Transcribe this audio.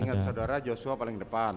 ingat saudara joshua paling depan